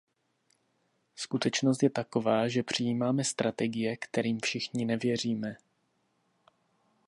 Skutečnost je taková, že přijímáme strategie, kterým všichni nevěříme.